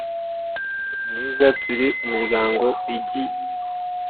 myiza Turi umuryango igi